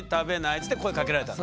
っつって声をかけられたの？